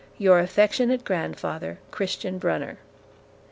Your affectionate grandfather, CHRISTIAN BRUNNER.